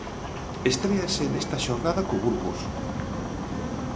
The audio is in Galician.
Estréase nesta xornada co Burgos.